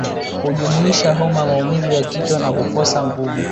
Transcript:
Hujumuisha homa maumivu ya kichwa na kukosa nguvu